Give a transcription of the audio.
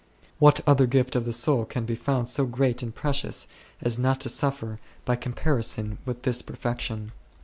What other gift of the soul can be found so great and precious as not to suffer by comparison with this perfection